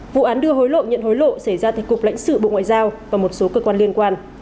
vụ án đưa hối lộ nhận hối lộ xảy ra tại cục lãnh sự bộ ngoại giao và một số cơ quan liên quan